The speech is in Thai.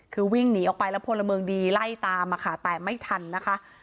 คือวิ่งหนีออกไปแล้วพลเมืองดีไล่ตามอะค่ะแต่ไม่ทันนะคะ